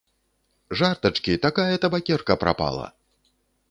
Жартачкі, такая табакерка прапала!